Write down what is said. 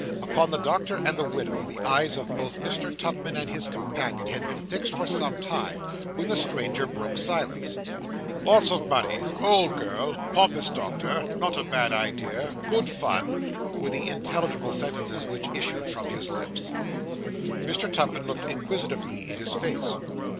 Upon the doctor, and the widow, the eyes of both Mr. Tupman and his companion had been fixed for some time, when the stranger broke silence. 'Lots of money old girl pompous doctor not a bad idea good fun,' were the intelligible sentences which issued from his lips. Mr. Tupman looked inquisitively in his face.